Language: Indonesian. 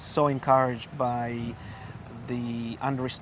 saya sangat diberi keuangan